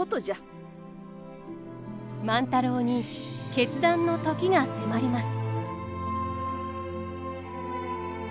万太郎に決断の時が迫ります。